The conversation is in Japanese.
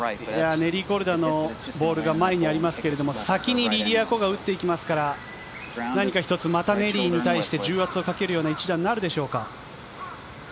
ネリー・コルダのボールが前にありますけれど、先にリディア・コが打っていきますから、何か一つまたネリーに対して重圧をかけるような一打になるでしょうか。